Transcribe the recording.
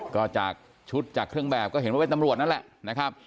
ก็จากชุดจากเครื่องแบบก็เห็นว่าเป็นตำรวจนั่นแหละนะครับ